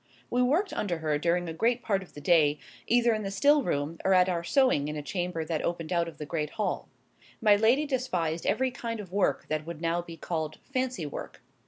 We worked under her during a great part of the day, either in the still room, or at our sewing in a chamber that opened out of the great hall. My lady despised every kind of work that would now be called Fancy work.